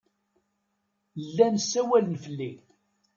Llan ssawalen fell-i.